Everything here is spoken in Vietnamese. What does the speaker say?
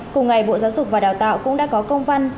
cùng ngày bộ giáo dục và đào tạo cũng đã có công văn